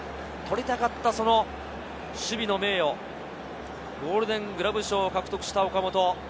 取りたかった守備の名誉、ゴールデングラブ賞を獲得した岡本。